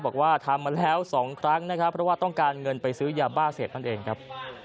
บอกว่าทำมาแล้ว๒ครั้งนะครับเพราะว่าต้องการเงินไปซื้อยาบ้าเสพนั่นเองครับ